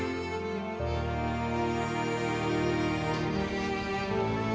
saya juga berdua